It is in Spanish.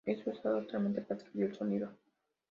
Es usado actualmente para escribir el sonido